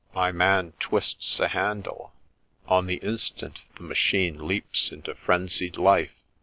My man twists a handle. On the instant the machine leaps into frenzied life.